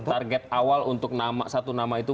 target awal untuk nama satu nama itu